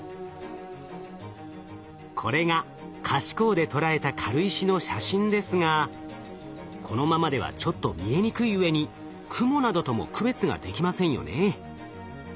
これが可視光で捉えた軽石の写真ですがこのままではちょっと見えにくいうえに雲などとも区別ができませんよね。